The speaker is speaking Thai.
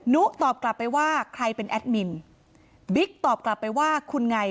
นุตอบกลับไปว่าใครเป็นแอดมินบิ๊กตอบกลับไปว่าคุณไง